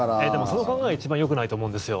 その考えが一番よくないと思うんですよ。